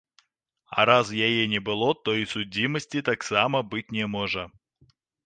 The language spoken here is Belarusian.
А раз яе не было, то і судзімасці таксама быць не можа.